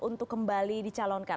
untuk kembali dicalonkan